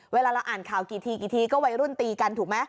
เวลาเราอ่านข่าวกี่ทีกี่ทีก็วัยรุ่นตีกันถูกไหม